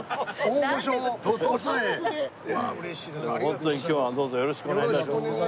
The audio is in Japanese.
ホントに今日はどうぞよろしくお願い致します。